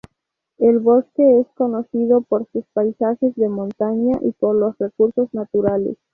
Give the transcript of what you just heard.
El bosque es conocido por sus paisajes de montaña y por los recursos naturales.